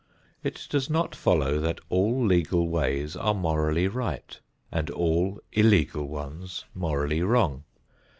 It does not follow that all legal ways are morally right and all illegal ones morally wrong.